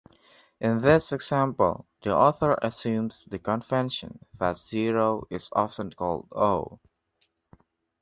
In this example, the author assumes the convention that zero is often called O.